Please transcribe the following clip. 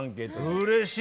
うれしい。